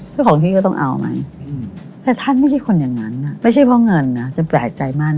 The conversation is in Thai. เจ้าของที่ก็ต้องเอามันแต่ท่านไม่ใช่คนอย่างนั้นไม่ใช่เพราะเงินนะจะแปลกใจมาก